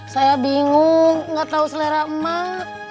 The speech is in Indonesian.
saya bingung gak tau selera emak